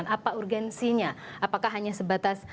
apa urgensinya apakah hanya sebatas